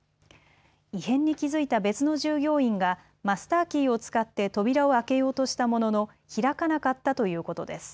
異変に気付いた別の従業員がマスターキーを使って扉を開けようとしたものの開かなかったということです。